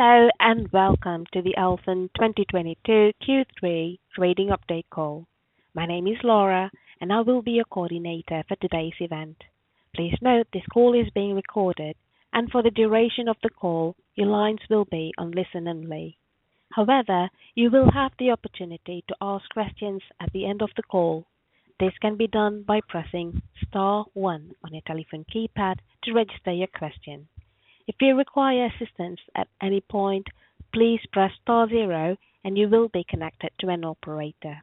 Hello and welcome to the Alfen 2022 Q3 trading update call. My name is Laura, and I will be your coordinator for today's event. Please note this call is being recorded and for the duration of the call, your lines will be on listen only. However, you will have the opportunity to ask questions at the end of the call. This can be done by pressing star one on your telephone keypad to register your question. If you require assistance at any point, please press star zero and you will be connected to an operator.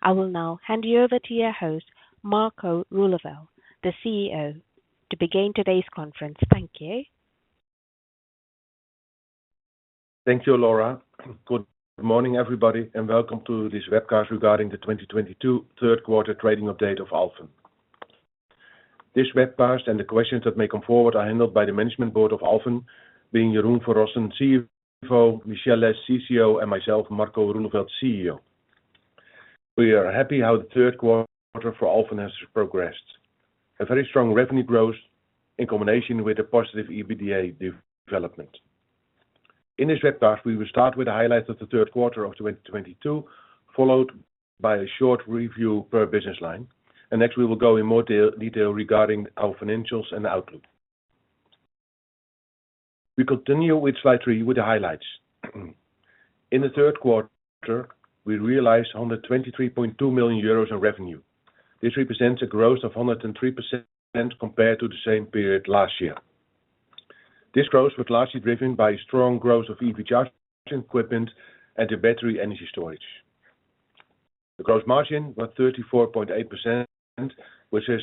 I will now hand you over to your host, Marco Roeleveld, the CEO, to begin today's conference. Thank you. Thank you, Laura. Good morning, everybody, and welcome to this webcast regarding the 2022 third quarter trading update of Alfen. This webcast and the questions that may come forward are handled by the management board of Alfen being Jeroen van Rossen, CFO, Michelle Lesh, CCO and myself, Marco Roeleveld, CEO. We are happy how the third quarter for Alfen has progressed. A very strong revenue growth in combination with a positive EBITDA development. In this webcast, we will start with the highlights of the third quarter of 2022, followed by a short review per business line. Next, we will go in more detail regarding our financials and outlook. We continue with slide three with the highlights. In the third quarter, we realized 123.2 million euros in revenue. This represents a growth of 103% compared to the same period last year. This growth was largely driven by strong growth of EV charging equipment and the battery energy storage. The gross margin was 34.8%, which is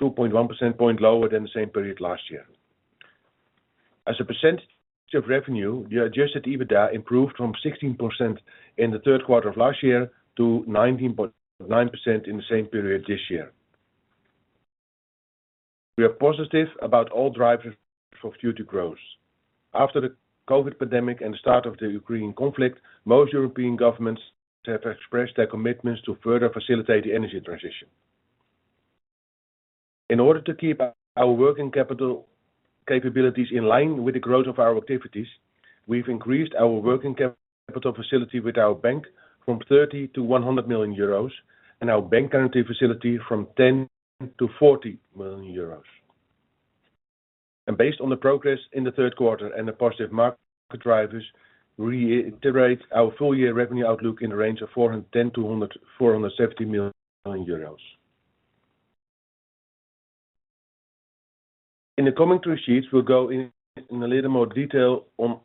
2.1% points lower than the same period last year. As a percentage of revenue, the adjusted EBITDA improved from 16% in the third quarter of last year to 19.9% in the same period this year. We are positive about all drivers for future growth. After the COVID pandemic and start of the Ukraine conflict, most European governments have expressed their commitments to further facilitate the energy transition. In order to keep our working capital capabilities in line with the growth of our activities, we've increased our working capital facility with our bank from 30 million- 100 million euros and our bank guarantee facility from 10 million- 40 million euros. Based on the progress in the third quarter and the positive market drivers, we iterate our full year revenue outlook in the range of 410 million-470 million euros. In the coming three sheets, we'll go in a little more detail on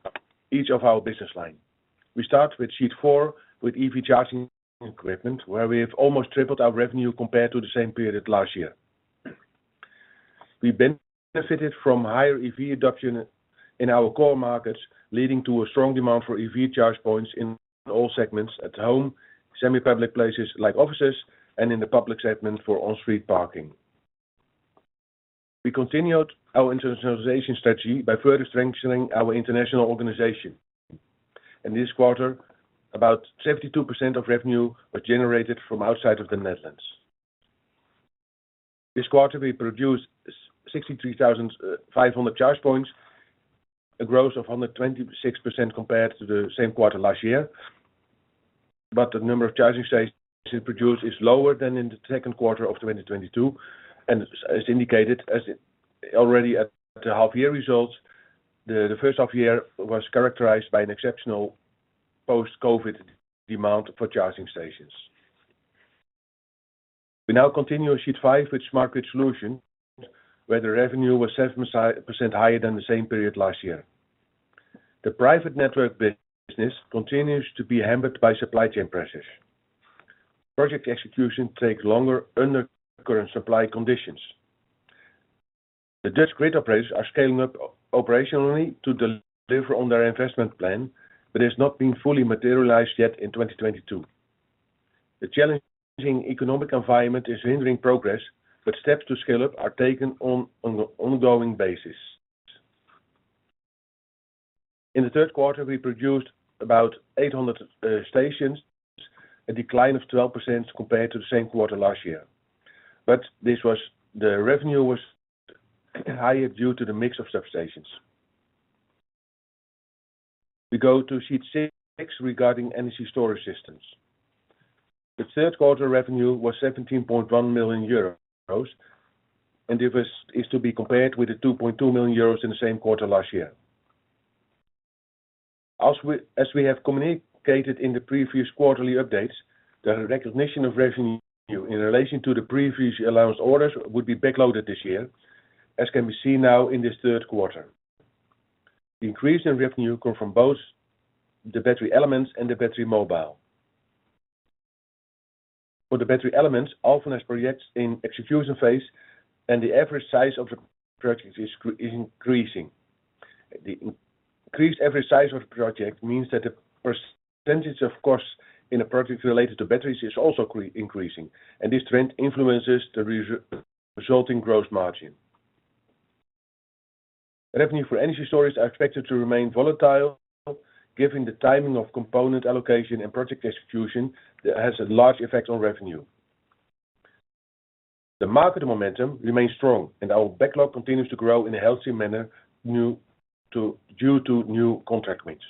each of our business line. We start with sheet four with EV charging equipment, where we have almost tripled our revenue compared to the same period last year. We benefited from higher EV adoption in our core markets, leading to a strong demand for EV charge points in all segments at home, semi-public places like offices and in the public segment for on-street parking. We continued our internationalization strategy by further strengthening our international organization. In this quarter, about 72% of revenue was generated from outside of the Netherlands. This quarter, we produced 63,500 charge points, a growth of 126% compared to the same quarter last year. The number of charging stations produced is lower than in the second quarter of 2022. As indicated already at the half-year results, the first half-year was characterized by an exceptional post-COVID demand for charging stations. We now continue on sheet five with Smart Grid Solutions, where the revenue was 70% higher than the same period last year. The private network business continues to be hampered by supply chain pressures. Project execution takes longer under current supply conditions. The Dutch grid operators are scaling up operationally to deliver on their investment plan, but it's not been fully materialized yet in 2022. The challenging economic environment is hindering progress, but steps to scale up are taken on an ongoing basis. In the third quarter, we produced about 800 stations, a decline of 12% compared to the same quarter last year. The revenue was higher due to the mix of substations. We go to slide six regarding energy storage systems. The third quarter revenue was 17.1 million euros, and this is to be compared with the 2.2 million euros in the same quarter last year. As we have communicated in the previous quarterly updates that a recognition of revenue in relation to the Ellevio orders would be backloaded this year, as can be seen now in this third quarter. The increase in revenue come from both TheBattery Elements and TheBattery Mobile. For TheBattery Elements, Alfen has projects in execution phase and the average size of the project is increasing. The increased average size of the project means that the percentage of cost in a project related to batteries is also increasing, and this trend influences the resulting growth margin. Revenue for energy storage are expected to remain volatile given the timing of component allocation and project execution has a large effect on revenue. The market momentum remains strong and our backlog continues to grow in a healthy manner due to new contract wins.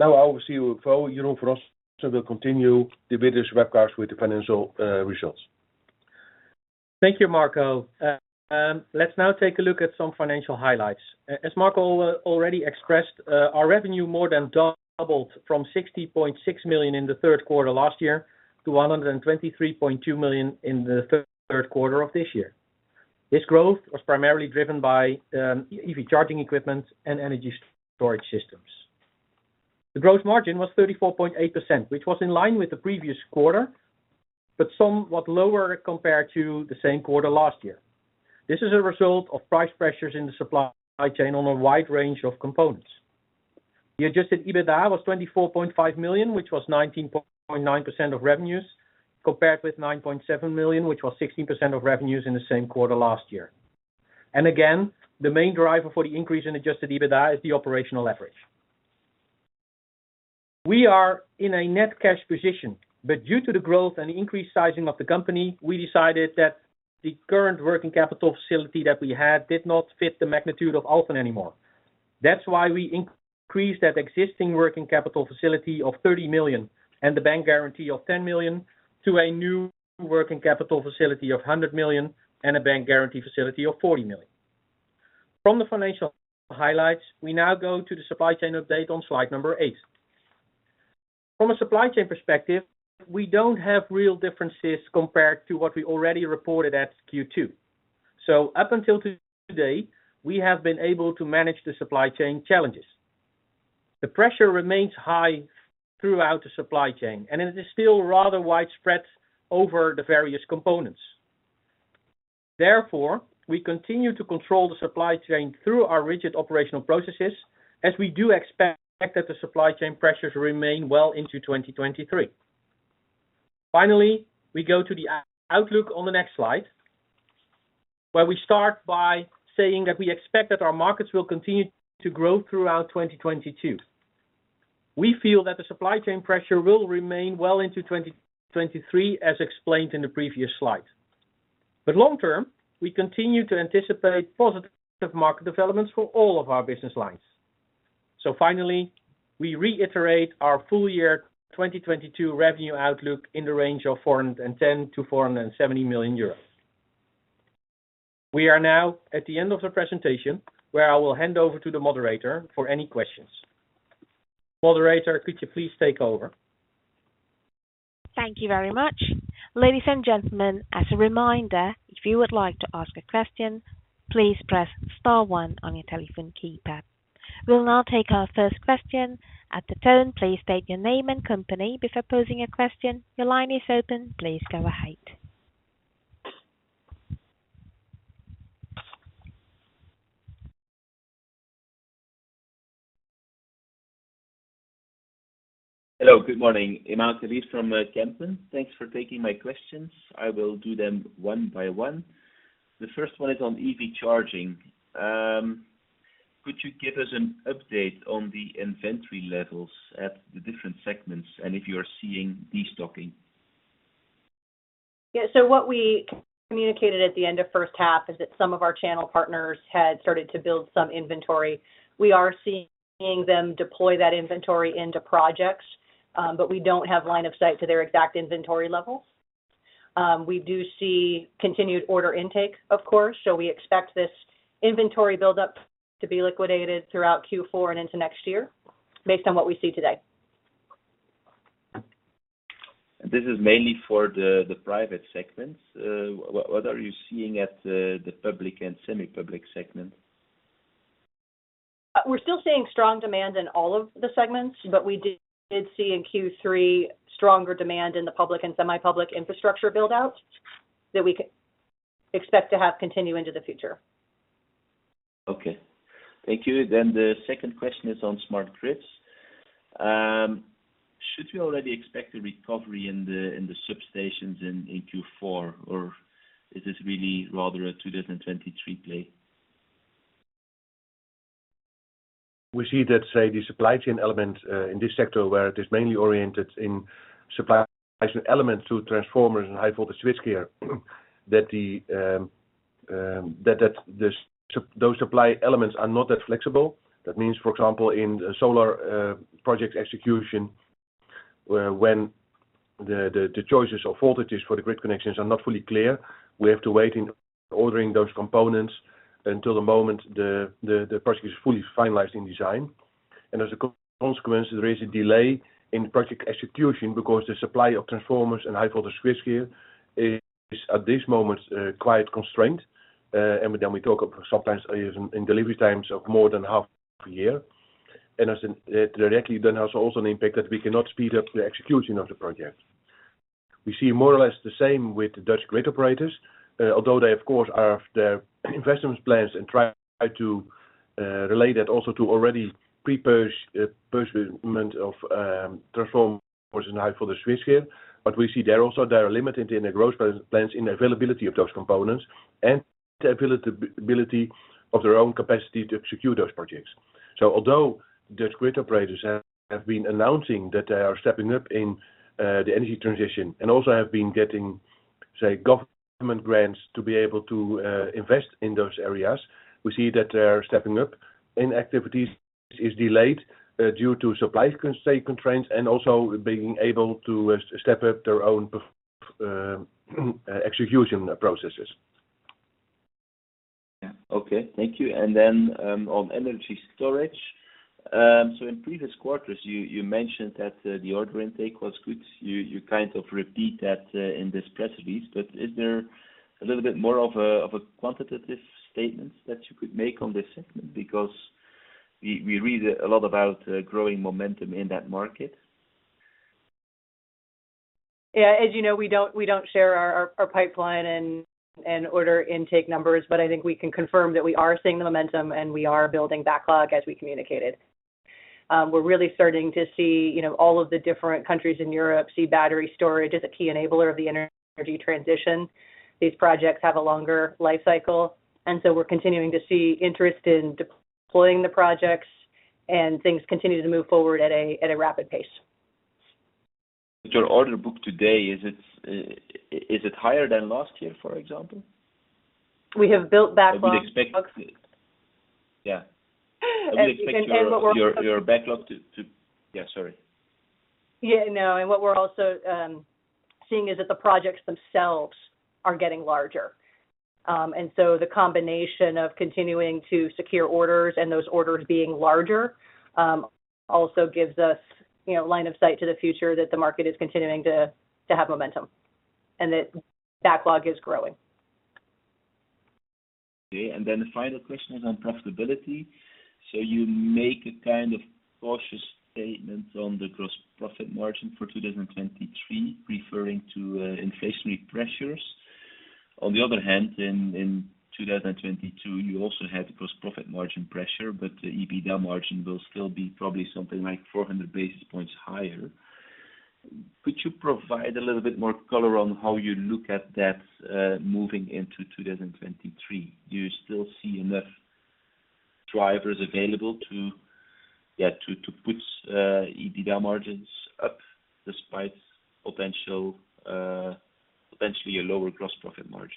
Now over to you, Jeroen van Rossen, to continue the business webcast with the financial results. Thank you, Marco. Let's now take a look at some financial highlights. As Marco already expressed, our revenue more than doubled from 60.6 million in the third quarter last year to 123.2 million in the third quarter of this year. This growth was primarily driven by EV charging equipment and energy storage systems. The gross margin was 34.8%, which was in line with the previous quarter, but somewhat lower compared to the same quarter last year. This is a result of price pressures in the supply chain on a wide range of components. The adjusted EBITDA was 24.5 million, which was 19.9% of revenues, compared with 9.7 million, which was 16% of revenues in the same quarter last year. The main driver for the increase in adjusted EBITDA is the operational leverage. We are in a net cash position, but due to the growth and increased sizing of the company, we decided that the current working capital facility that we had did not fit the magnitude of Alfen anymore. That's why we increased that existing working capital facility of 30 million and the bank guarantee of 10 million to a new working capital facility of 100 million and a bank guarantee facility of 40 million. From the financial highlights, we now go to the supply chain update on slide number eight. From a supply chain perspective, we don't have real differences compared to what we already reported at Q2. Up until today, we have been able to manage the supply chain challenges. The pressure remains high throughout the supply chain, and it is still rather widespread over the various components. Therefore, we continue to control the supply chain through our rigid operational processes, as we do expect that the supply chain pressures remain well into 2023. Finally, we go to the outlook on the next slide, where we start by saying that we expect that our markets will continue to grow throughout 2022. We feel that the supply chain pressure will remain well into 2023, as explained in the previous slide. Long term, we continue to anticipate positive market developments for all of our business lines. Finally, we reiterate our full year 2022 revenue outlook in the range of 410 million-470 million euros. We are now at the end of the presentation, where I will hand over to the moderator for any questions. Moderator, could you please take over? Thank you very much. Ladies and gentlemen, as a reminder, if you would like to ask a question, please press star one on your telephone keypad. We'll now take our first question. At the tone, please state your name and company before posing a question. Your line is open. Please go ahead. Hello, good morning. Emmanuel Grib from Kempen. Thanks for taking my questions. I will do them one by one. The first one is on EV charging. Could you give us an update on the inventory levels at the different segments and if you are seeing destocking? Yeah. What we communicated at the end of first half is that some of our channel partners had started to build some inventory. We are seeing them deploy that inventory into projects, but we don't have line of sight to their exact inventory levels. We do see continued order intake, of course. We expect this inventory buildup to be liquidated throughout Q4 and into next year based on what we see today. This is mainly for the private segments. What are you seeing at the public and semi-public segment? We're still seeing strong demand in all of the segments, but we did see in Q3 stronger demand in the public and semi-public infrastructure build-out that we expect to have continue into the future. Okay. Thank you. The second question is on smart grids. Should we already expect a recovery in the substations in Q4, or is this really rather a 2023 play? We see that, say, the supply chain element in this sector where it is mainly oriented in supply chain elements to transformers and high voltage switchgear, that those supply elements are not that flexible. That means, for example, in solar project execution, where when the choices of voltages for the grid connections are not fully clear, we have to wait in ordering those components until the moment the project is fully finalized in design. As a consequence, there is a delay in project execution because the supply of transformers and high voltage switchgear is at this moment quite constrained. Then we talk of sometimes in delivery times of more than half a year. As directly then has also an impact that we cannot speed up the execution of the project. We see more or less the same with the Dutch grid operators, although they of course have their investment plans and try to relate that also to already procurement of transformers and high voltage switchgear. We see there also they are limited in their growth plans in availability of those components and the availability of their own capacity to execute those projects. Although those grid operators have been announcing that they are stepping up in the energy transition and also have been getting, say, government grants to be able to invest in those areas, we see that they are stepping up and activities is delayed due to supply constraints and also being able to step up their own execution processes. Yeah. Okay. Thank you. On energy storage, in previous quarters you kind of repeat that in this press release, but is there a little bit more of a quantitative statements that you could make on this segment? Because we read a lot about growing momentum in that market. Yeah. As you know, we don't share our pipeline and order intake numbers, but I think we can confirm that we are seeing the momentum and we are building backlog as we communicated. We're really starting to see, you know, all of the different countries in Europe see battery storage as a key enabler of the energy transition. These projects have a longer life cycle, and so we're continuing to see interest in deploying the projects and things continue to move forward at a rapid pace. Your order book today, is it higher than last year, for example? We have built backlog. Would you expect? Yeah. What we're Would you expect your backlog to? Yeah, sorry. Yeah, no. What we're also seeing is that the projects themselves are getting larger. The combination of continuing to secure orders and those orders being larger also gives us, you know, line of sight to the future that the market is continuing to have momentum and that backlog is growing. Then the final question is on profitability. You make a kind of cautious statement on the gross profit margin for 2023, referring to inflationary pressures. On the other hand, in 2022, you also had gross profit margin pressure, but the EBITDA margin will still be probably something like 400 basis points higher. Could you provide a little bit more color on how you look at that, moving into 2023? Do you still see enough drivers available to boost EBITDA margins up despite potentially a lower gross profit margin?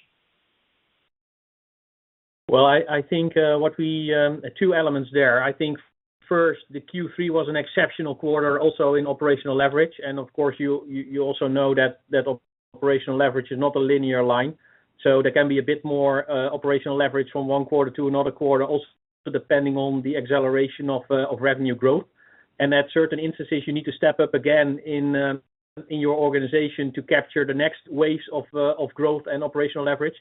Well, I think. Two elements there. I think first, the Q3 was an exceptional quarter also in operational leverage. Of course, you also know that operational leverage is not a linear line, so there can be a bit more operational leverage from one quarter to another quarter, also depending on the acceleration of revenue growth. At certain instances, you need to step up again in your organization to capture the next waves of growth and operational leverage.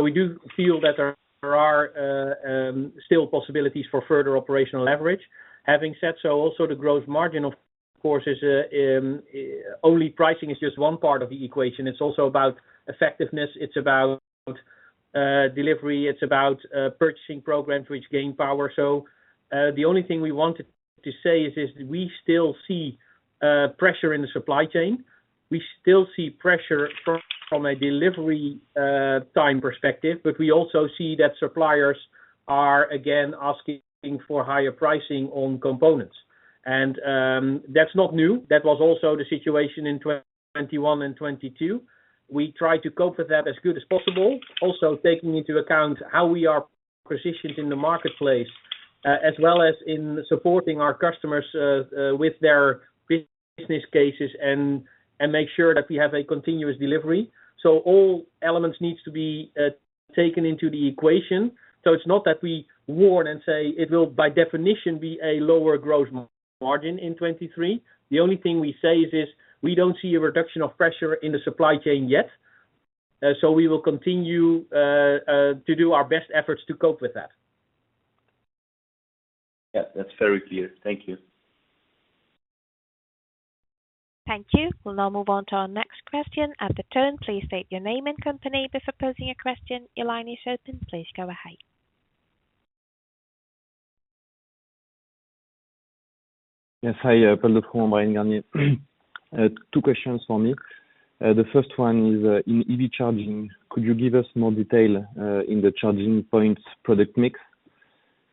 We do feel that there are still possibilities for further operational leverage. Having said so, also the gross margin of course is only pricing is just one part of the equation. It's also about effectiveness, it's about delivery, it's about purchasing programs which gain power. The only thing we wanted to say is this, we still see pressure in the supply chain. We still see pressure from a delivery time perspective, but we also see that suppliers are again asking for higher pricing on components. That's not new. That was also the situation in 2021 and 2022. We try to cope with that as good as possible, also taking into account how we are positioned in the marketplace, as well as in supporting our customers with their business cases and make sure that we have a continuous delivery. All elements needs to be taken into the equation. It's not that we warn and say it will by definition be a lower growth margin in 2023. The only thing we say is this, we don't see a reduction of pressure in the supply chain yet, so we will continue to do our best efforts to cope with that. Yeah. That's very clear. Thank you. Thank you. We'll now move on to our next question. At the tone, please state your name and company before posing a question. The line is open. Please go ahead. Yes, hi, Paul de Truong. Two questions for me. The first one is in EV charging, could you give us more detail in the charging points product mix?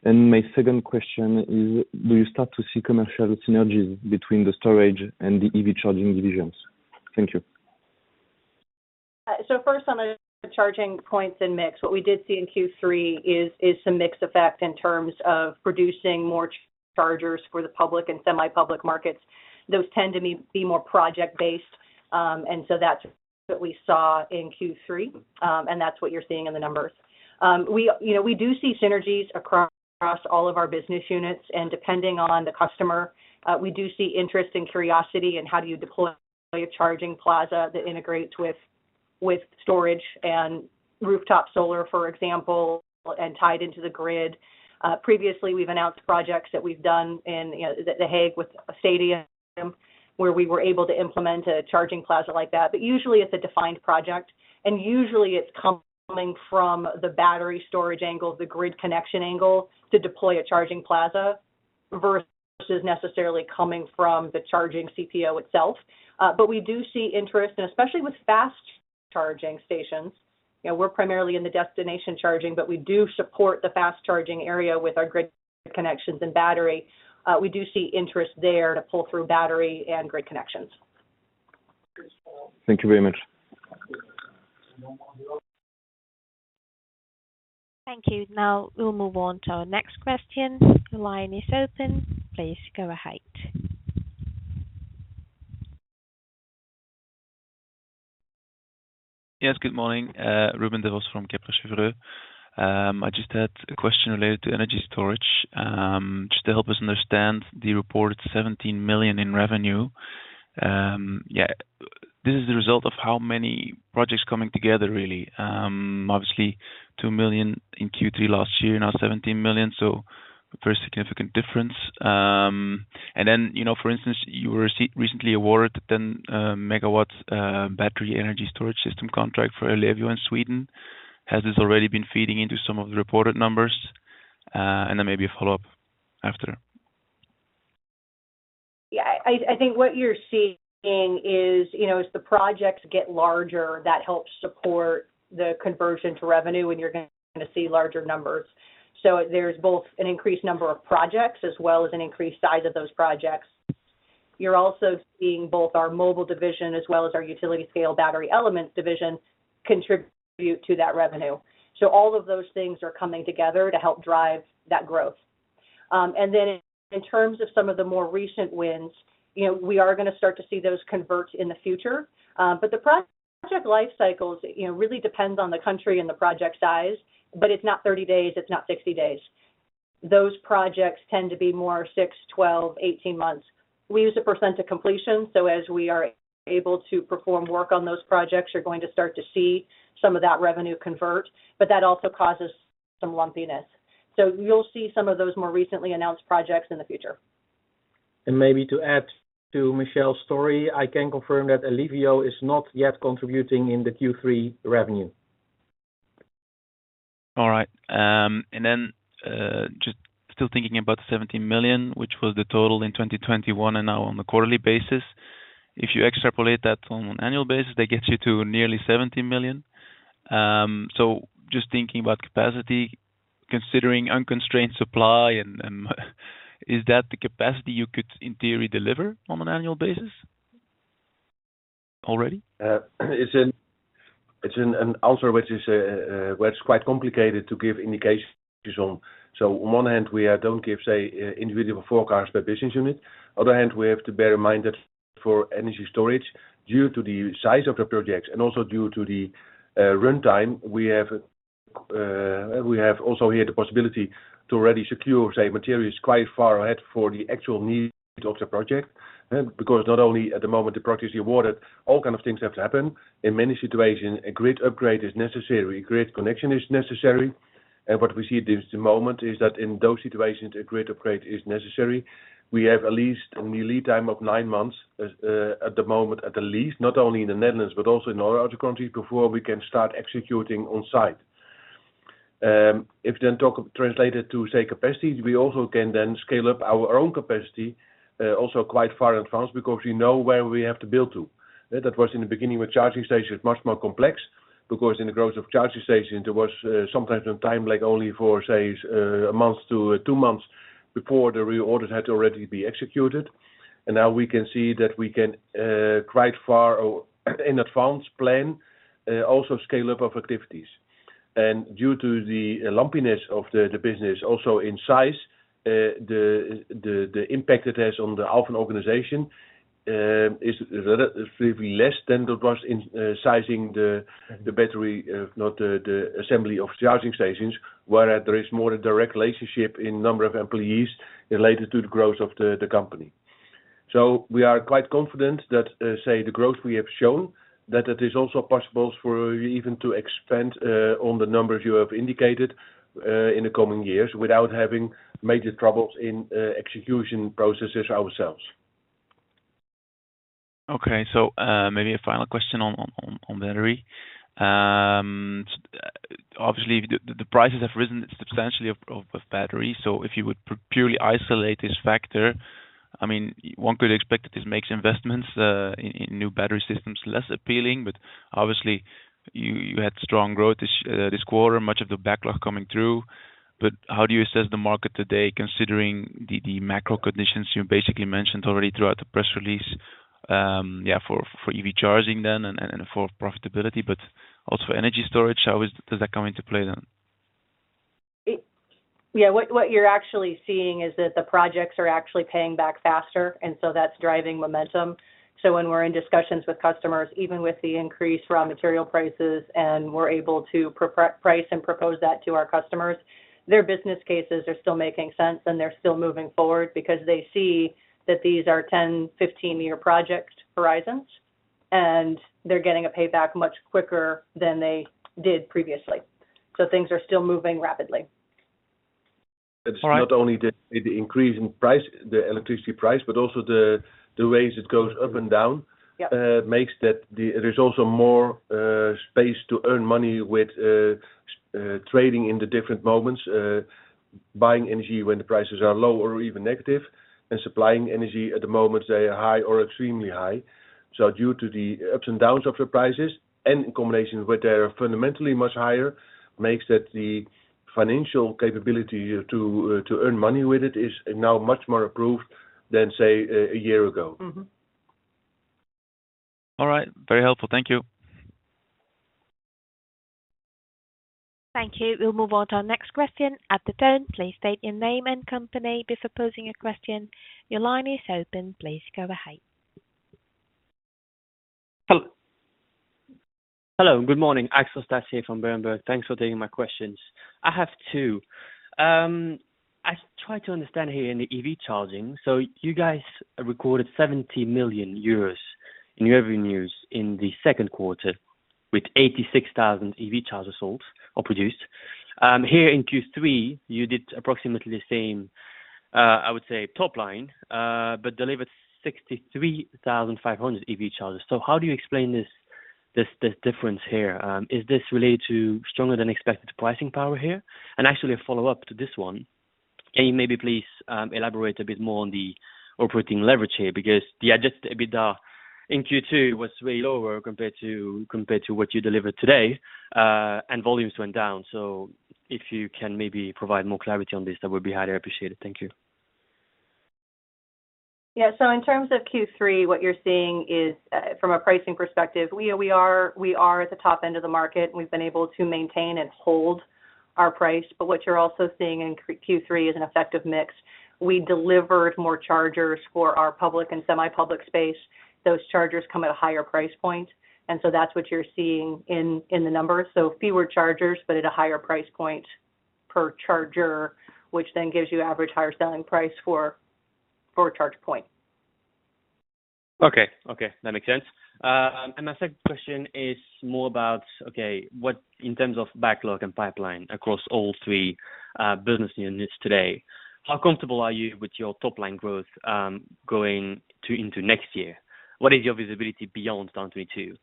And my second question is, do you start to see commercial synergies between the storage and the EV charging divisions? Thank you. First on the charging points and mix, what we did see in Q3 is some mix effect in terms of producing more chargers for the public and semi-public markets. Those tend to be more project-based. That's what we saw in Q3, and that's what you're seeing in the numbers. You know, we do see synergies across all of our business units, and depending on the customer, we do see interest and curiosity in how do you deploy a charging plaza that integrates with storage and rooftop solar, for example, and tied into the grid. Previously, we've announced projects that we've done in The Hague with a stadium, where we were able to implement a charging plaza like that. Usually it's a defined project, and usually it's coming from the battery storage angle, the grid connection angle to deploy a charging plaza versus necessarily coming from the charging CPO itself. We do see interest, and especially with fast charging. Charging stations. You know, we're primarily in the destination charging, but we do support the fast charging area with our grid connections and battery. We do see interest there to pull through battery and grid connections. Thank you very much. Thank you. Now, we'll move on to our next question. The line is open. Please go ahead. Yes, good morning. Ruben Devos from Kepler Cheuvreux. I just had a question related to energy storage. Just to help us understand the reported 17 million in revenue. Yeah, this is the result of how many projects coming together, really. Obviously 2 million in Q3 last year, now 17 million, so a very significant difference. And then, you know, for instance, you were recently awarded 10 MW battery energy storage system contract for Ellevio in Sweden. Has this already been feeding into some of the reported numbers? And then maybe a follow-up after. I think what you're seeing is, you know, as the projects get larger, that helps support the conversion to revenue, and you're gonna see larger numbers. There's both an increased number of projects as well as an increased size of those projects. You're also seeing both our mobile division as well as our utility scale TheBattery Elements division contribute to that revenue. All of those things are coming together to help drive that growth. In terms of some of the more recent wins, you know, we are gonna start to see those convert in the future. The project life cycles, you know, really depends on the country and the project size, but it's not 30 days, it's not 60 days. Those projects tend to be more six, 12, 18 months. We use a Percentage of Completion, so as we are able to perform work on those projects, you're going to start to see some of that revenue convert, but that also causes some lumpiness. You'll see some of those more recently announced projects in the future. Maybe to add to Michelle's story, I can confirm that Ellevio is not yet contributing in the Q3 revenue. All right. Just still thinking about the 17 million, which was the total in 2021 and now on a quarterly basis, if you extrapolate that on an annual basis, that gets you to nearly 70 million. Just thinking about capacity, considering unconstrained supply and is that the capacity you could, in theory, deliver on an annual basis already? It's an answer which is, well, it's quite complicated to give indications on. On one hand, we don't give, say, individual forecasts per business unit. On the other hand, we have to bear in mind that for energy storage, due to the size of the projects and also due to the runtime, we have also here the possibility to already secure, say, materials quite far ahead for the actual needs of the project. Because not only at the moment the project is awarded, all kinds of things have to happen. In many situations, a grid upgrade is necessary, grid connection is necessary. What we see at this moment is that in those situations, a grid upgrade is necessary. We have at least a lead time of nine months, at the moment, at the least, not only in the Netherlands, but also in all other countries, before we can start executing on-site. If you then translate it to, say, capacity, we also can then scale up our own capacity, also quite far in advance because we know where we have to build to. That was in the beginning with charging stations much more complex because in the growth of charging stations, there was, sometimes no time, like only for, say, a month to two months before the reorders had to already be executed. Now we can see that we can, quite far in advance plan, also scale up of activities. Due to the lumpiness of the business also in size, the impact it has on the Alfen organization is relatively less than it was in sizing the battery, not the assembly of charging stations, where there is more direct relationship in number of employees related to the growth of the company. We are quite confident that, say, the growth we have shown, that it is also possible for Alfen to expand on the numbers you have indicated in the coming years without having major troubles in execution processes ourselves. Okay. Maybe a final question on battery. Obviously, the prices have risen substantially of battery. If you would purely isolate this factor, I mean, one could expect that this makes investments in new battery systems less appealing, but obviously, you had strong growth this quarter, much of the backlog coming through. How do you assess the market today, considering the macro conditions you basically mentioned already throughout the press release, yeah, for EV charging then and for profitability, but also energy storage? How does that come into play then? What you're actually seeing is that the projects are actually paying back faster, and that's driving momentum. When we're in discussions with customers, even with the increased raw material prices, and we're able to price and propose that to our customers, their business cases are still making sense, and they're still moving forward because they see that these are 10-, 15-year project horizons, and they're getting a payback much quicker than they did previously. Things are still moving rapidly. It's not only the increase in price, the electricity price, but also the ways it goes up and down. Yep There's also more space to earn money with trading in the different markets. Buying energy when the prices are low or even negative, and supplying energy at the moment they are high or extremely high. Due to the ups and downs of the prices and in combination where they are fundamentally much higher, makes that the financial capability to earn money with it is now much more improved than, say, a year ago. Mm-hmm. All right. Very helpful. Thank you. Thank you. We'll move on to our next question. At the phone, please state your name and company before posing a question. Your line is open. Please go ahead. Hello. Hello, good morning. Axel Stasse here from Berenberg. Thanks for taking my questions. I have two. I try to understand here in the EV charging. You guys recorded 70 million euros in your revenues in the second quarter with 86,000 EV chargers sold or produced. Here in Q3, you did approximately the same, I would say top line, but delivered 63,500 EV chargers. How do you explain this difference here? Is this related to stronger than expected pricing power here? And actually a follow-up to this one. Can you maybe please elaborate a bit more on the operating leverage here? Because the adjusted EBITDA in Q2 was way lower compared to what you delivered today, and volumes went down. If you can maybe provide more clarity on this, that would be highly appreciated. Thank you. Yeah. In terms of Q3, what you're seeing is from a pricing perspective, we are at the top end of the market, and we've been able to maintain and hold our price. What you're also seeing in Q3 is an effective mix. We delivered more chargers for our public and semi-public space. Those chargers come at a higher price point, and that's what you're seeing in the numbers. Fewer chargers, but at a higher price point per charger, which then gives you average higher selling price for a charge point. Okay. Okay, that makes sense. My second question is more about in terms of backlog and pipeline across all three business units today, how comfortable are you with your top line growth going into next year? What is your visibility beyond 2022?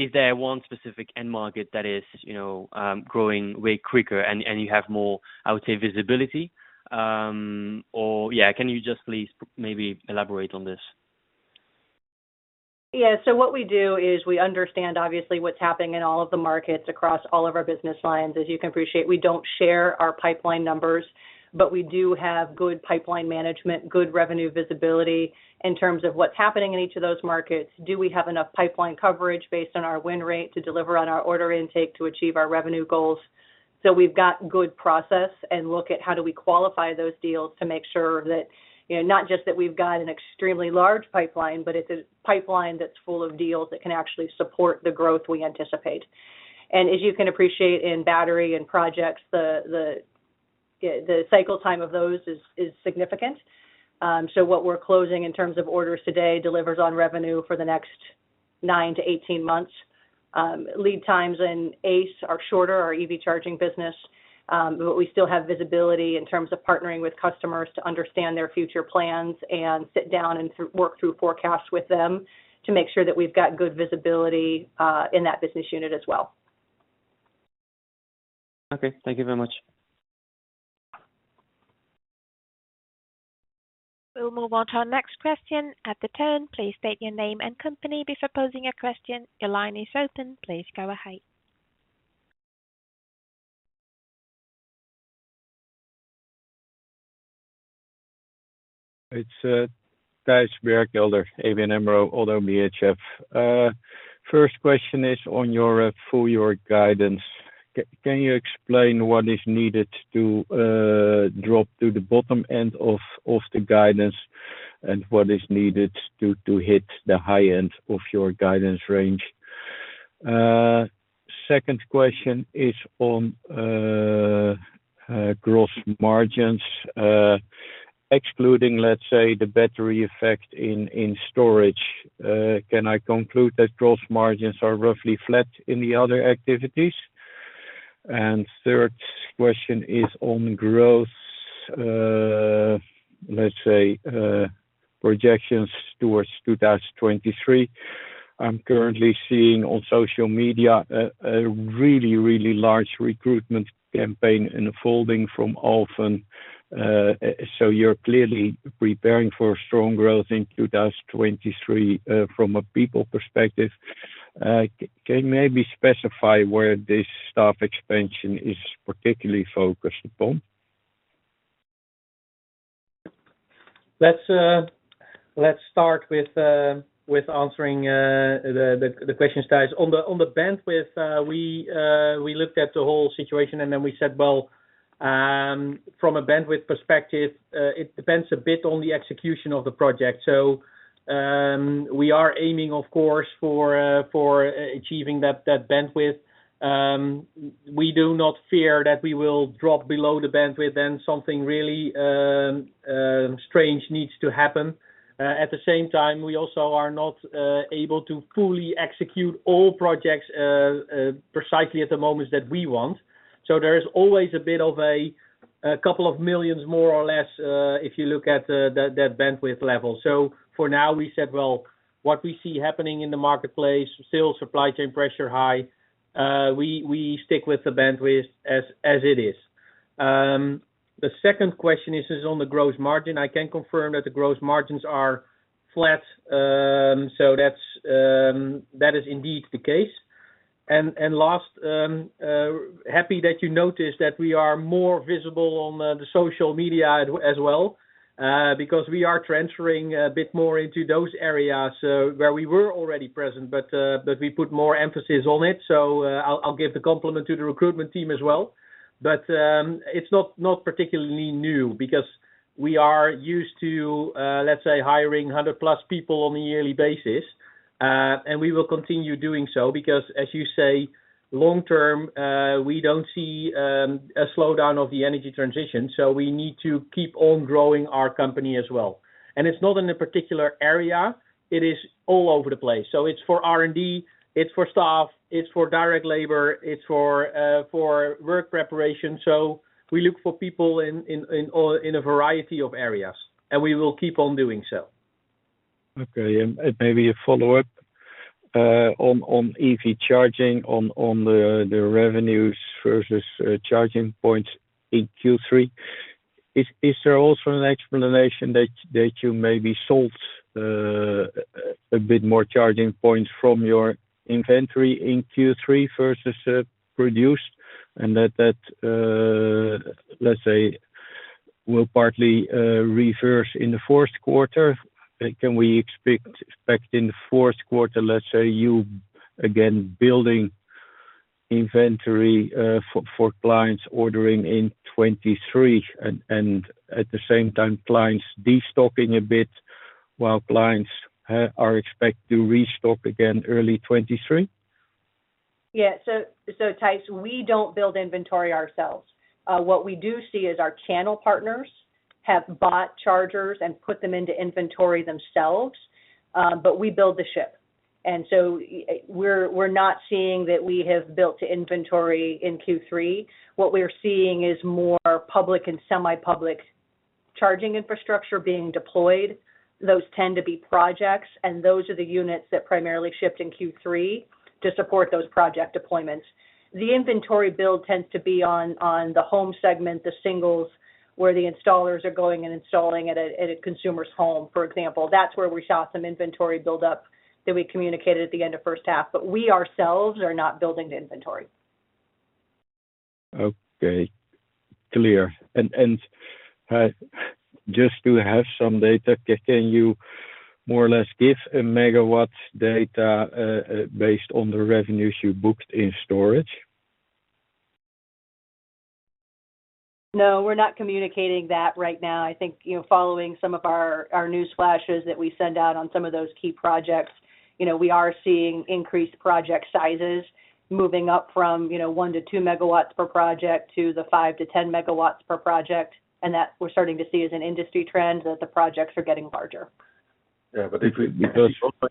Is there one specific end market that is, you know, growing way quicker and you have more, I would say, visibility? Or yeah, can you just please maybe elaborate on this? Yeah. What we do is we understand obviously what's happening in all of the markets across all of our business lines. As you can appreciate, we don't share our pipeline numbers, but we do have good pipeline management, good revenue visibility in terms of what's happening in each of those markets. Do we have enough pipeline coverage based on our win rate to deliver on our order intake to achieve our revenue goals? We've got good process and look at how do we qualify those deals to make sure that, you know, not just that we've got an extremely large pipeline, but it's a pipeline that's full of deals that can actually support the growth we anticipate. As you can appreciate in battery and projects, the cycle time of those is significant. What we're closing in terms of orders today delivers on revenue for the next 9-18 months. Lead times in ACE are shorter, our EV charging business, but we still have visibility in terms of partnering with customers to understand their future plans and sit down and work through forecasts with them to make sure that we've got good visibility in that business unit as well. Okay. Thank you very much. We'll move on to our next question. At the tone, please state your name and company before posing a question. Your line is open. Please go ahead. Thijs Berkelder, ABN AMRO ODDO BHF. First question is on your full year guidance. Can you explain what is needed to drop to the bottom end of the guidance and what is needed to hit the high end of your guidance range? Second question is on gross margins. Excluding, let's say, the battery effect in storage, can I conclude that gross margins are roughly flat in the other activities? Third question is on growth, let's say, projections towards 2023. I'm currently seeing on social media a really large recruitment campaign unfolding from Alfen. You're clearly preparing for strong growth in 2023 from a people perspective. Can you maybe specify where this staff expansion is particularly focused upon? Let's start with answering the question, Thijs. On the bandwidth, we looked at the whole situation and then we said, well, from a bandwidth perspective, it depends a bit on the execution of the project. We are aiming, of course, for achieving that bandwidth. We do not fear that we will drop below the bandwidth and something really strange needs to happen. At the same time, we also are not able to fully execute all projects precisely at the moment that we want. There is always a bit of a couple of millions more or less, if you look at that bandwidth level. For now, we said, well, what we see happening in the marketplace, still supply chain pressure high, we stick with the bandwidth as it is. The second question is on the gross margin. I can confirm that the gross margins are flat. That's, that is indeed the case. Last, happy that you noticed that we are more visible on the social media as well, because we are transferring a bit more into those areas, where we were already present, but we put more emphasis on it. I'll give the compliment to the recruitment team as well. It's not particularly new because we are used to, let's say, hiring 100+ people on a yearly basis. We will continue doing so, because as you say, long-term, we don't see a slowdown of the energy transition, so we need to keep on growing our company as well. It's not in a particular area, it is all over the place. It's for R&D, it's for staff, it's for direct labor, it's for work preparation. We look for people in a variety of areas, and we will keep on doing so. Okay. Maybe a follow-up on EV charging on the revenues versus charging points in Q3. Is there also an explanation that you maybe sold a bit more charging points from your inventory in Q3 versus produced and that let's say will partly reverse in the fourth quarter? Can we expect in the fourth quarter, let's say you again building inventory for clients ordering in 2023 and at the same time clients destocking a bit while clients are expected to restock again early 2023? Yeah. Thijs, we don't build inventory ourselves. What we do see is our channel partners have bought chargers and put them into inventory themselves, but we build and ship. We're not seeing that we have built inventory in Q3. What we're seeing is more public and semi-public charging infrastructure being deployed. Those tend to be projects, and those are the units that primarily shipped in Q3 to support those project deployments. The inventory build tends to be on the home segment, the singles, where the installers are going and installing at a consumer's home, for example. That's where we saw some inventory buildup that we communicated at the end of first half. We ourselves are not building the inventory. Okay. Clear. Just to have some data, can you more or less give a megawatts data based on the revenues you booked in storage? No, we're not communicating that right now. I think, you know, following some of our news flashes that we send out on some of those key projects, you know, we are seeing increased project sizes moving up from, you know, 1-2 MW per project, to the 5-10 MW per project. That we're starting to see as an industry trend, that the projects are getting larger. Yeah.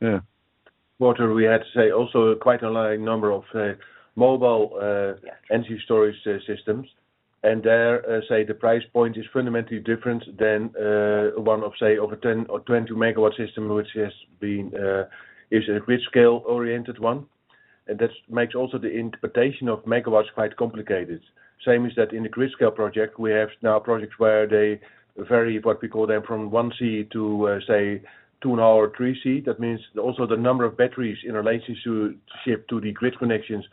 Yeah. Wouter, we had, say, also quite a large number of mobile energy storage systems. There, say the price point is fundamentally different than one of, say, of a 10 or 20 MW system, which is a grid scale-oriented one. That makes also the interpretation of megawatts quite complicated. Same as that in the grid scale project, we have now projects where they vary, what we call them, from 1C to, say, two now, or 3C. That means also the numbers of batteries in relation to the grid connections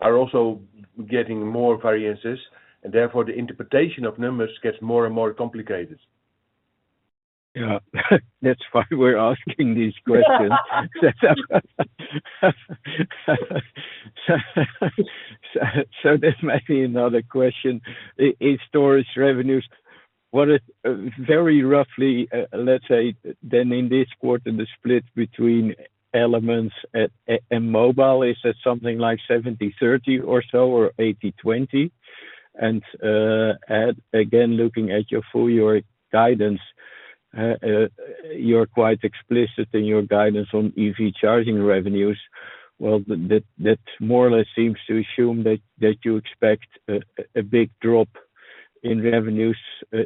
are also getting more variances, and therefore the interpretation of numbers gets more and more complicated. Yeah. That's why we're asking these questions. This might be another question. In storage revenues, what is, very roughly, let's say then in this quarter, the split between elements and mobile, is that something like 70/30 or so, or 80/20? Again, looking at your full year guidance, you're quite explicit in your guidance on EV charging revenues. Well, that more or less seems to assume that you expect a big drop in revenues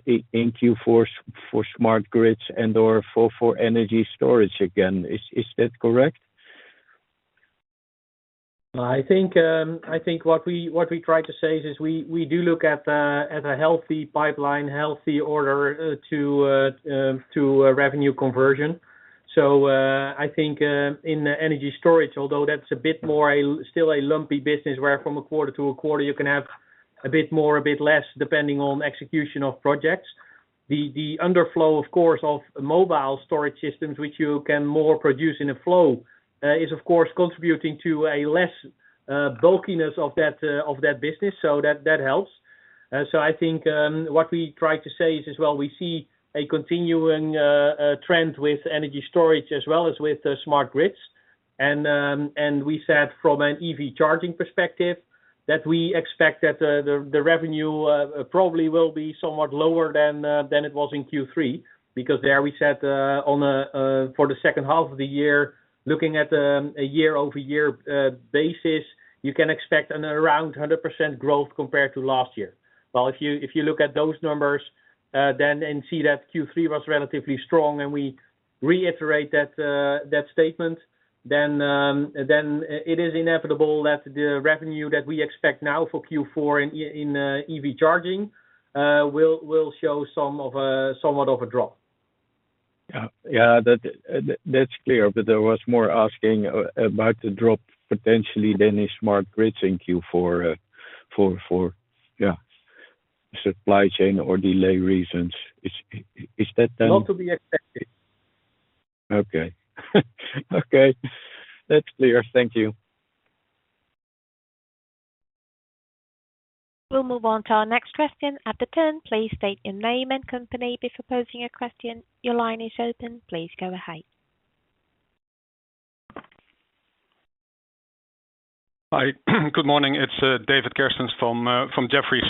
in Q4 for smart grids and/or for energy storage again. Is that correct? I think what we try to say is we do look at a healthy pipeline, healthy order to a revenue conversion. I think in energy storage, although that's a bit more of a still lumpy business where from a quarter to a quarter you can have a bit more, a bit less, depending on execution of projects. The inflow of course of mobile storage systems which you can more produce in a flow is of course contributing to a less lumpiness of that business. That helps. I think what we try to say is, well, we see a continuing trend with energy storage as well as with the smart grids. We said from an EV charging perspective that we expect that the revenue probably will be somewhat lower than it was in Q3, because there we said for the second half of the year, looking at a year-over-year basis, you can expect around 100% growth compared to last year. Well, if you look at those numbers. We can see that Q3 was relatively strong, and we reiterate that statement. It is inevitable that the revenue that we expect now for Q4 in EV charging will show somewhat of a drop. Yeah. That's clear. I was more asking about the drop potentially in the smart grid in Q4 for supply chain or delay reasons. Is that then? Not to be expected. Okay. Okay, that's clear. Thank you. We'll move on to our next question. At the tone, please state your name and company before posing your question. Your line is open. Please go ahead. Hi. Good morning. It's David Kerstens from Jefferies.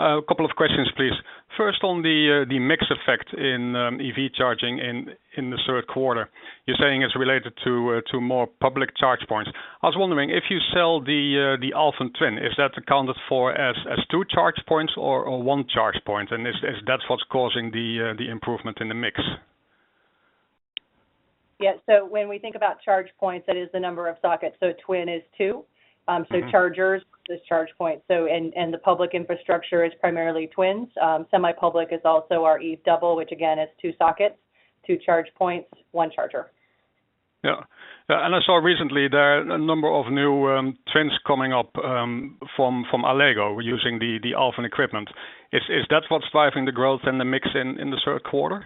A couple of questions, please. First, on the mix effect in EV charging in the third quarter. You're saying it's related to more public charge points. I was wondering if you sell the Alfen Twin, is that accounted for as two charge points or one charge point, and is that what's causing the improvement in the mix? Yeah. When we think about charge points, that is the number of sockets. Twin is two. Mm-hmm. Chargers is charge points. The public infrastructure is primarily Twins. Semi-public is also our Eve Double, which again is two sockets, two charge points, one charger. Yeah. I saw recently there are a number of new twins coming up from Allego using the Alfen equipment. Is that what's driving the growth and the mix in the third quarter?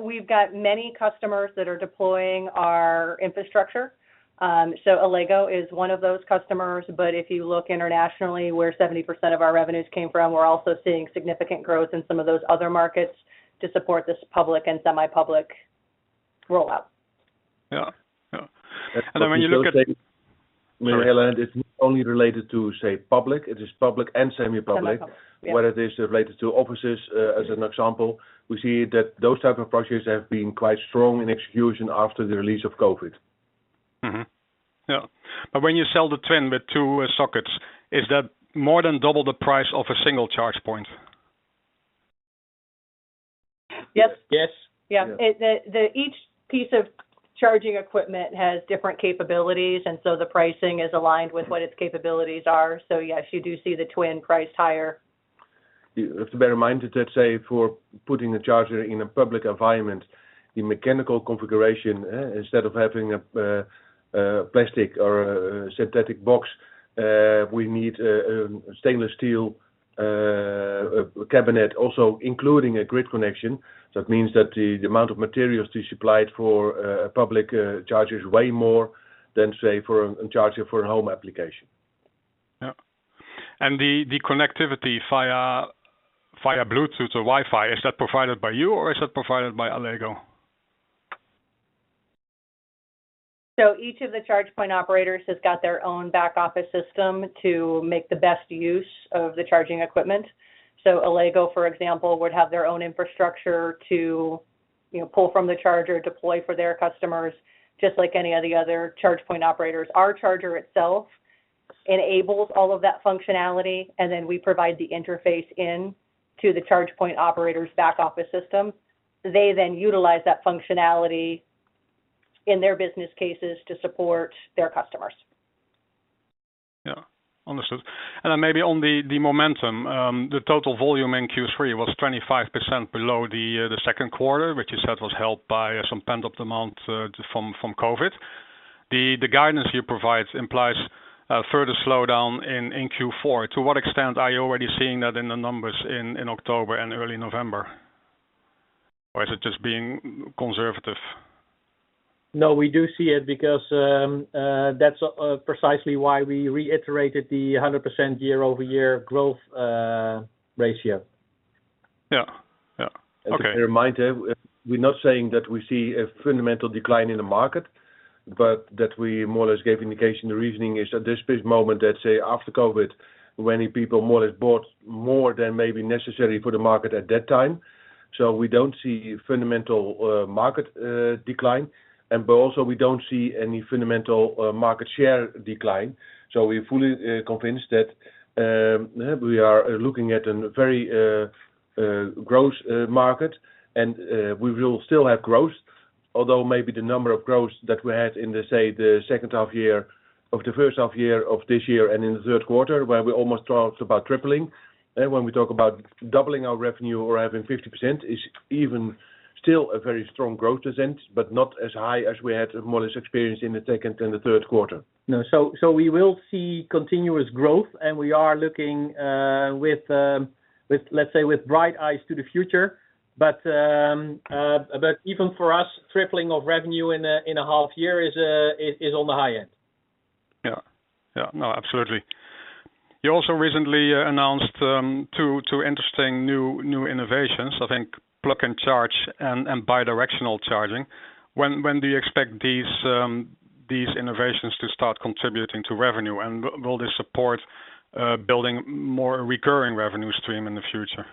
We've got many customers that are deploying our infrastructure. Allego is one of those customers. If you look internationally, where 70% of our revenues came from, we're also seeing significant growth in some of those other markets to support this public and semi-public rollout. Yeah. When you look at. I think we should say. Sorry. Michelle Lesh, it's not only related to, say, public. It is public and semi-public. Semi-public, yeah. Whether it is related to offices, as an example, we see that those type of projects have been quite strong in execution after the release of COVID. When you sell the Twin with two sockets, is that more than double the price of a single charge point? Yes. Yes. Yeah. Each piece of charging equipment has different capabilities, and so the pricing is aligned with what its capabilities are. Yes, you do see the Twin priced higher. You have to bear in mind that, let's say, for putting a charger in a public environment, the mechanical configuration, instead of having a plastic or a synthetic box, we need a stainless steel cabinet also including a grid connection. That means that the amount of materials to supply it for a public charger is way more than, say, for a charger for home application. Yeah. The connectivity via Bluetooth or Wi-Fi, is that provided by you or is it provided by Allego? Each of the charge point operators has got their own back office system to make the best use of the charging equipment. Allego, for example, would have their own infrastructure to, you know, pull from the charger, deploy for their customers, just like any of the other charge point operators. Our charger itself enables all of that functionality, and then we provide the interface in to the charge point operator's back office system. They then utilize that functionality in their business cases to support their customers. Yeah. Understood. Maybe on the momentum, the total volume in Q3 was 25% below the second quarter, which you said was helped by some pent-up demand from COVID. The guidance you provide implies a further slowdown in Q4. To what extent are you already seeing that in the numbers in October and early November? Or is it just being conservative? No, we do see it because that's precisely why we reiterated the 100% year-over-year growth ratio. Yeah. Okay. Just a reminder, we're not saying that we see a fundamental decline in the market, but that we more or less gave indication the reasoning is at this precise moment, let's say after COVID, many people more or less bought more than maybe necessary for the market at that time. We don't see fundamental market decline but also we don't see any fundamental market share decline. We're fully convinced that we are looking at a very growth market and we will still have growth. Although maybe the number of growth that we had in, say, the first half year of this year and in the third quarter where we almost talked about tripling, when we talk about doubling our revenue or having 50% is even still a very strong growth percent, but not as high as we had more or less experienced in the second and the third quarter. No. We will see continuous growth and we are looking with let's say with bright eyes to the future. Even for us, tripling of revenue in a half year is on the high end. Yeah. Yeah. No, absolutely. You also recently announced two interesting new innovations, I think Plug and Charge and bi-directional charging. When do you expect these innovations to start contributing to revenue? Will this support building more recurring revenue stream in the future?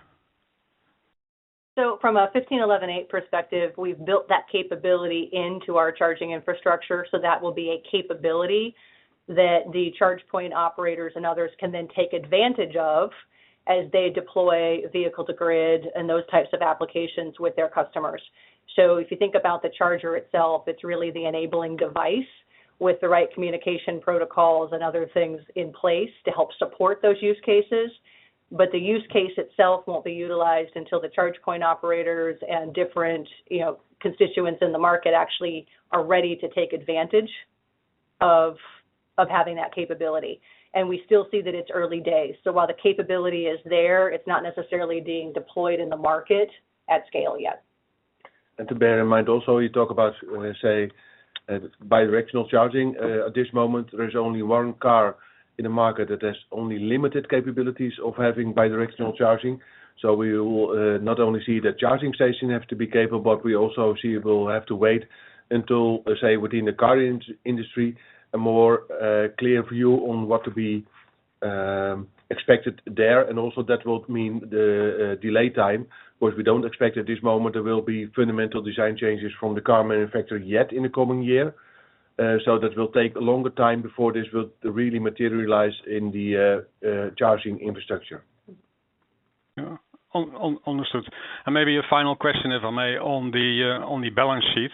From a ISO 15118 perspective, we've built that capability into our charging infrastructure. That will be a capability that the charge point operators and others can then take advantage of as they deploy Vehicle-to-Grid and those types of applications with their customers. If you think about the charger itself, it's really the enabling device with the right communication protocols and other things in place to help support those use cases. But the use case itself won't be utilized until the charge point operators and different, you know, constituents in the market actually are ready to take advantage of having that capability. We still see that it's early days. While the capability is there, it's not necessarily being deployed in the market at scale yet. To bear in mind also, you talk about, let's say, bidirectional charging. At this moment, there is only one car in the market that has only limited capabilities of having bidirectional charging. We will not only see the charging station have to be capable, but we also see we'll have to wait until, say, within the car industry, a more clear view on what to be expected there. Also that will mean the delay time, but we don't expect at this moment there will be fundamental design changes from the car manufacturer yet in the coming year. That will take a longer time before this will really materialize in the charging infrastructure. Yeah. Understood. Maybe a final question, if I may. On the, on the balance sheet,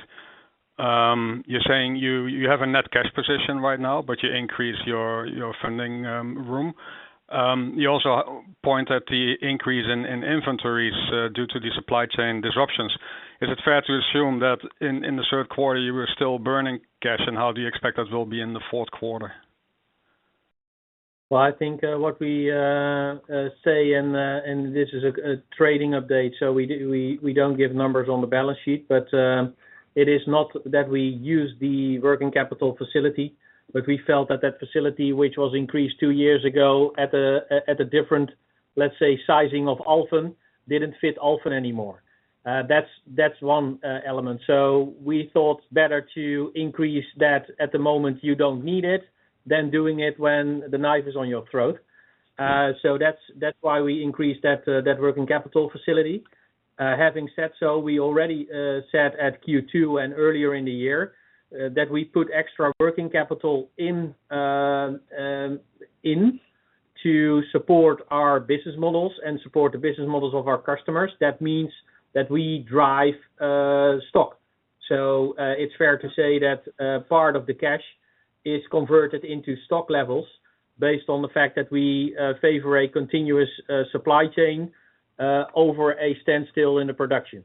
you're saying you have a net cash position right now, but you increase your funding room. You also point at the increase in inventories due to the supply chain disruptions. Is it fair to assume that in the third quarter you were still burning cash? How do you expect that will be in the fourth quarter? Well, I think what we say and this is a trading update, so we don't give numbers on the balance sheet, but it is not that we use the working capital facility, but we felt that facility, which was increased two years ago at a different, let's say, sizing of Alfen, didn't fit Alfen anymore. That's one element. We thought better to increase that at the moment you don't need it than doing it when the knife is on your throat. That's why we increased that working capital facility. Having said so, we already said at Q2 and earlier in the year, that we put extra working capital in to support our business models and support the business models of our customers. That means that we drive stock. It's fair to say that part of the cash is converted into stock levels based on the fact that we favor a continuous supply chain over a standstill in the production.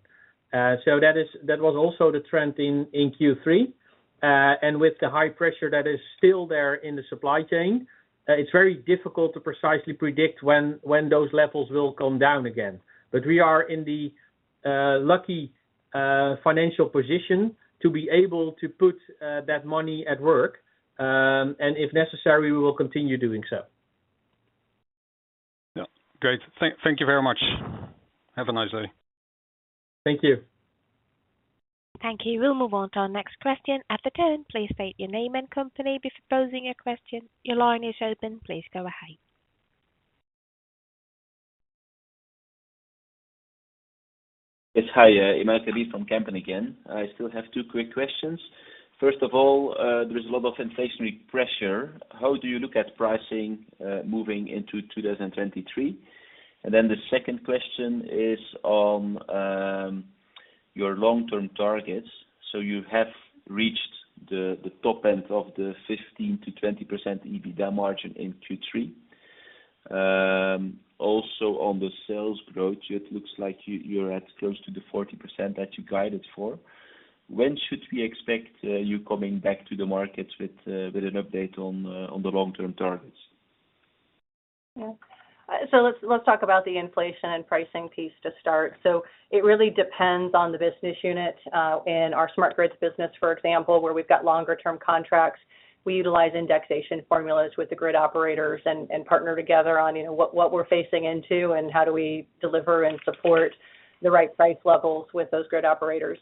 That was also the trend in Q3. With the high pressure that is still there in the supply chain, it's very difficult to precisely predict when those levels will come down again. We are in the lucky financial position to be able to put that money at work, and if necessary, we will continue doing so. Yeah. Great. Thank you very much. Have a nice day. Thank you. Thank you. We'll move on to our next question. At the tone, please state your name and company before posing your question. Your line is open. Please go ahead. Yes. Hi, Emmanuel from Kempen again. I still have two quick questions. First of all, there is a lot of inflationary pressure. How do you look at pricing moving into 2023? Then the second question is on your long-term targets. You have reached the top end of the 15%-20% EBITDA margin in Q3. Also on the sales growth, it looks like you're at close to the 40% that you guided for. When should we expect you coming back to the markets with an update on the long-term targets? Yeah. Let's talk about the inflation and pricing piece to start. It really depends on the business unit. In our smart grids business, for example, where we've got longer term contracts, we utilize indexation formulas with the grid operators and partner together on, you know, what we're facing into and how do we deliver and support the right price levels with those grid operators.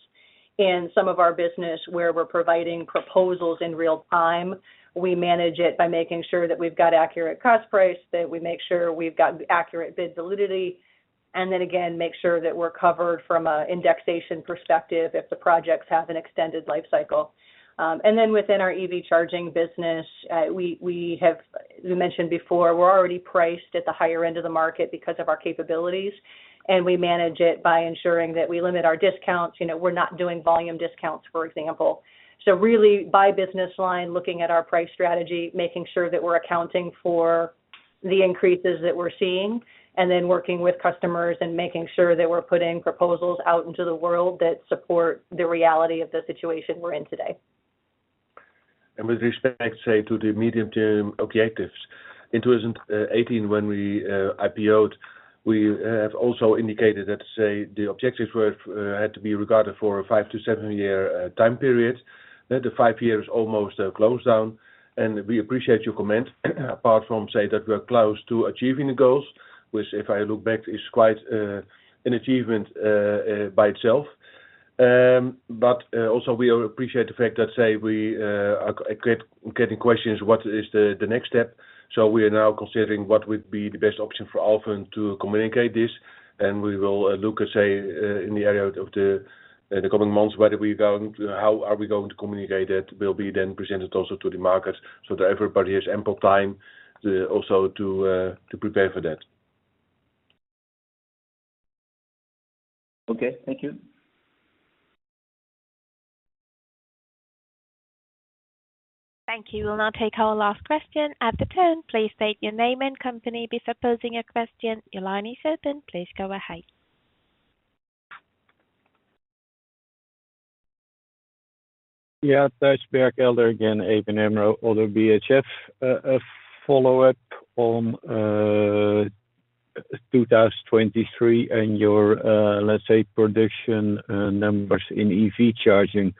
In some of our business where we're providing proposals in real time, we manage it by making sure that we've got accurate cost price, that we make sure we've got accurate bid validity, and then again, make sure that we're covered from a indexation perspective if the projects have an extended life cycle. Within our EV charging business, we have mentioned before, we're already priced at the higher end of the market because of our capabilities, and we manage it by ensuring that we limit our discounts. You know, we're not doing volume discounts, for example. Really by business line, looking at our price strategy, making sure that we're accounting for the increases that we're seeing, and then working with customers and making sure that we're putting proposals out into the world that support the reality of the situation we're in today. With respect to the medium-term objectives, in 2018 when we IPO'd, we have also indicated that the objectives were had to be regarded for a five to seven year time period. The five years almost closed down, and we appreciate your comment apart from that we're close to achieving the goals, which if I look back, is quite an achievement by itself. We appreciate the fact that we are getting questions, what is the next step? We are now considering what would be the best option for Alfen to communicate this, and we will look in the area of the coming months, whether we're going to. How are we going to communicate it? Will be then presented also to the market so that everybody has ample time, also to prepare for that. Okay. Thank you. Thank you. We'll now take our last question. At the tone, please state your name and company before posing your question. Your line is open. Please go ahead. Yeah. Thijs Berkelder again, ABN AMRO ODDO BHF. A follow-up on 2023 and your, let's say, prediction numbers in EV charging.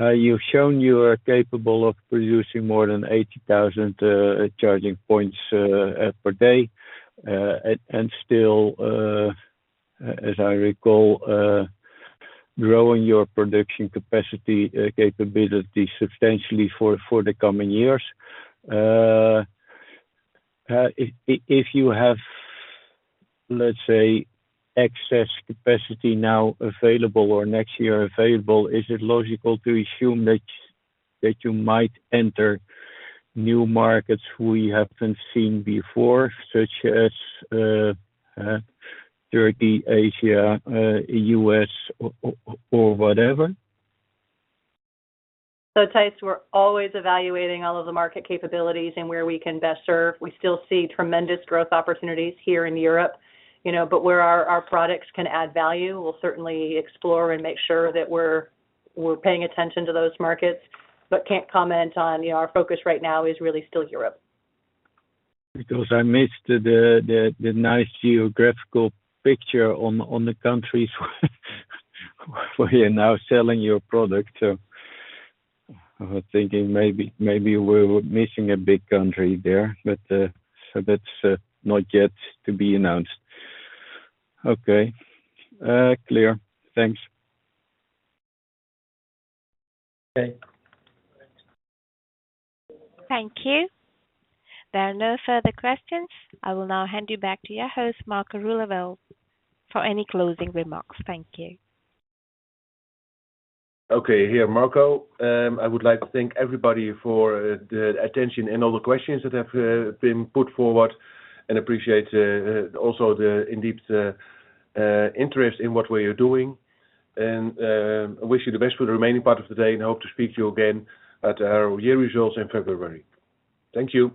You've shown you are capable of producing more than 80,000 charging points per day. And still, as I recall, growing your production capacity capability substantially for the coming years. If you have, let's say, excess capacity now available or next year available, is it logical to assume that you might enter new markets we haven't seen before, such as Turkey, Asia, U.S. or whatever? Thijs, we're always evaluating all of the market capabilities and where we can best serve. We still see tremendous growth opportunities here in Europe, you know, but where our products can add value, we'll certainly explore and make sure that we're paying attention to those markets, but can't comment on. You know, our focus right now is really still Europe. Because I missed the nice geographical picture on the countries where you're now selling your product. I was thinking maybe we're missing a big country there. That's not yet to be announced. Okay. Clear. Thanks. Okay. Thank you. There are no further questions. I will now hand you back to your host, Marco Roeleveld, for any closing remarks. Thank you. Okay. Here, Marco. I would like to thank everybody for the attention and all the questions that have been put forward and appreciate also the in-depth interest in what we are doing. I wish you the best for the remaining part of the day and hope to speak to you again at our year results in February. Thank you.